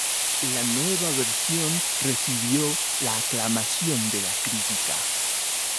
La nueva versión recibió la aclamación de la crítica.